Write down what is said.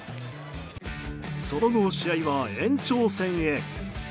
その後、試合は延長戦へ。